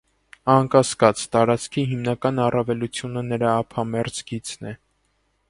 Անկասկած, տարածքի հիմնական առավելությունը նրա ափամերձ գիծն է։